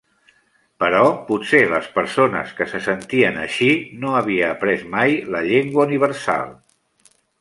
Però potser les persones que se sentien així no havia après mai la llengua universal.